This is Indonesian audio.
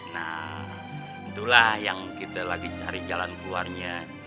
nah itulah yang kita lagi cari jalan keluarnya